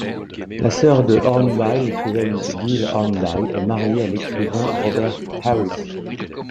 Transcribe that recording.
La sœur de Hornby, l'écrivaine Gill Hornby, est mariée à l'écrivain Robert Harris.